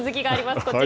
こちら。